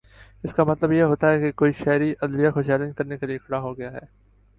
اس کا مطلب یہ ہوتا ہے کہ کوئی شہری عدلیہ کو چیلنج کرنے کے لیے کھڑا ہو گیا ہے